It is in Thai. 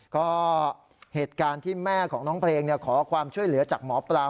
ก็เหตุการณ์ที่แม่ของน้องเพลงขอความช่วยเหลือจากหมอปลา